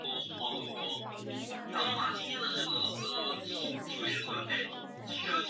宇垣发起的这场神风特攻队的最后任务在日本国内褒贬不一。